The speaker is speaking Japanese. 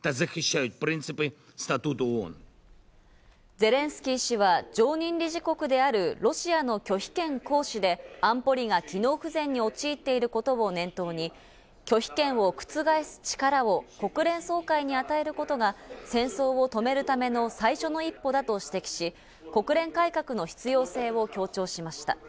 ゼレンスキー氏は、常任理事国であるロシアの拒否権行使で安保理が機能不全に陥っていることを念頭に、拒否権を覆す力を国連総会に与えることが戦争を止めるための最初の一歩だと指摘し、国連改革の必要性を強調しました。